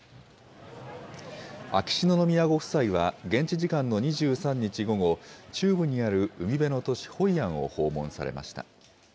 秋篠宮ご夫妻は、現地時間の２３日午後、中部にある海辺の都市ホイアンを訪問されました。